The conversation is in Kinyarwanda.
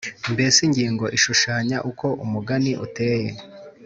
mbese ingingo ishushanya uko umugani uteye